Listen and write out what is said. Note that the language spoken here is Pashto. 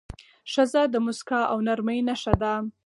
ښځه د موسکا او نرمۍ نښه ده.